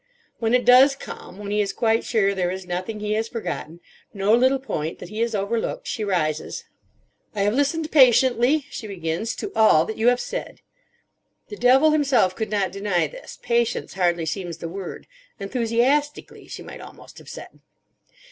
When it does come—when he is quite sure there is nothing he has forgotten, no little point that he has overlooked, she rises. "I have listened patiently," she begins, "to all that you have said." (The devil himself could not deny this. "Patience" hardly seems the word. "Enthusiastically" she might almost have said).